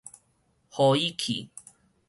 予伊去